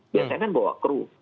biasanya kan bawa kru